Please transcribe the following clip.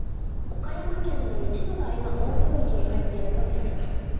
岡山県の一部が今、暴風域に入っていると見られます。